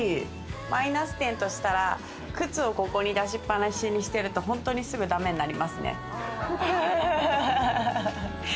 マイナス点としたら靴をここに出しっぱなしにしてると本当にすぐ駄目になりますね。